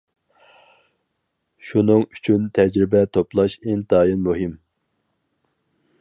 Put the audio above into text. شۇنىڭ ئۈچۈن تەجرىبە توپلاش ئىنتايىن مۇھىم.